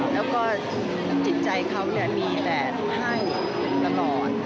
และที่ปอเป็นคนจิตใจดีเขามีแค่ให้ตลอด